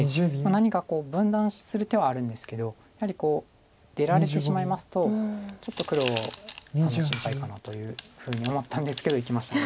何か分断する手はあるんですけどやはり出られてしまいますとちょっと黒心配かなというふうに思ったんですけどいきました。